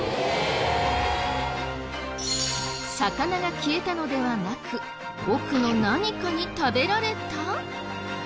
魚が消えたのではなく奥の何かに食べられた？